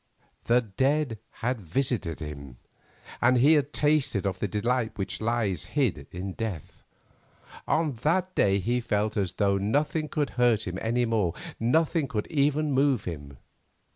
The dead had visited him, and he had tasted of the delight which lies hid in death. On that day he felt as though nothing could hurt him any more, nothing could even move him.